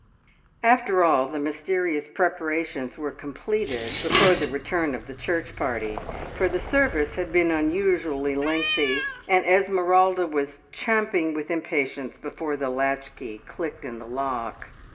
After all, the mysterious preparations were completed before the return of the church party, for the service had been unusually lengthy, and Esmeralda was champing with impatience before the latch key clicked in the lock.